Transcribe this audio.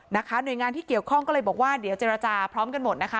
หน่วยงานที่เกี่ยวข้องก็เลยบอกว่าเดี๋ยวเจรจาพร้อมกันหมดนะคะ